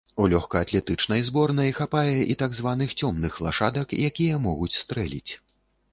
У лёгкаатлетычнай зборнай хапае і так званых цёмных лашадак, якія могуць стрэліць.